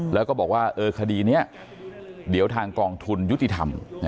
แล้วก็บอกว่าคดีนี้เดี๋ยวทางกองทุนยุติธรรม